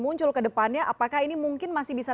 muncul ke depannya apakah ini mungkin masih bisa